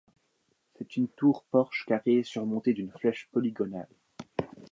C'est une tour-porche carrée surmontée d'une flèche polygonale.